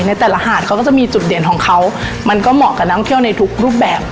ในแต่ละหาดเขาก็จะมีจุดเด่นของเขามันก็เหมาะกับนักท่องเที่ยวในทุกรูปแบบ